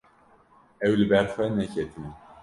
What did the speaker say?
Ew li ber xwe neketine.